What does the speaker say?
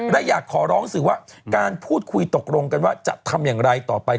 และอยากขอร้องสื่อว่าการพูดคุยตกลงกันว่าจะทำอย่างไรต่อไป